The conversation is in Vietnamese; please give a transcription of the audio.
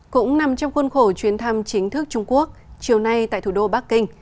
cũng nằm trong khuôn khổ chuyến thăm chính thức trung quốc chiều nay tại thủ đô bắc kinh